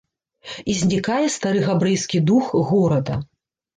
І знікае стары габрэйскі дух горада.